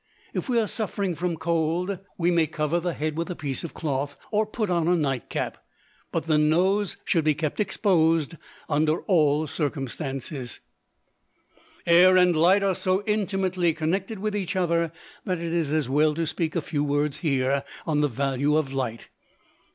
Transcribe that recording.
If we are suffering from cold, we may cover the head with a piece of cloth, or put on a night cap, but the nose should be kept exposed under all circumstances. Air and light are so intimately connected with each other that it is as well to speak a few words here on the value of light.